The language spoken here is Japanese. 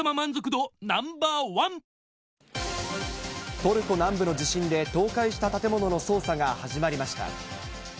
トルコ南部の地震で倒壊した建物の捜査が始まりました。